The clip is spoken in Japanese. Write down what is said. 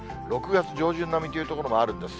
６月上旬並みという所もあるんです。